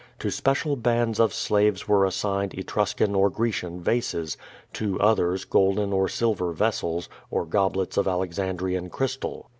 To special bands of slaves were assigned Ktruscan or Grecian vases, to others golden or silver vessels, or goblets of Alexandrian crys tal.